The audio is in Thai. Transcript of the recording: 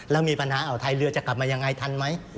แล้วมีปัญหาเอาไทยเรือจะกลับมายังไงทันไหม